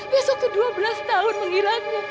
besok tuh dua belas tahun mengiranya